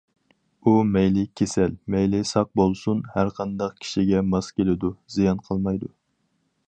ئۇ مەيلى كېسەل، مەيلى ساق بولسۇن، ھەرقانداق كىشىگە ماس كېلىدۇ، زىيان قىلمايدۇ.